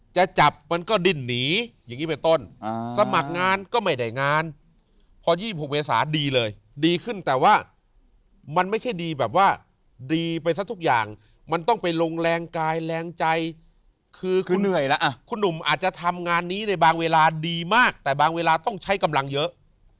จะจับมันก็ดิ้นหนีอย่างนี้ไปต้นสมัครงานก็ไม่ได้งานพอ๒๖เมษาดีเลยดีขึ้นแต่ว่ามันไม่ใช่ดีแบบว่าดีไปซะทุกอย่างมันต้องไปลงแรงกายแรงใจคือเหนื่อยละคุณหนุ่มอาจจะทำงานนี้ในบางเวลาดีมากแต่บางเวลาต้องใช้กำลังเยอะ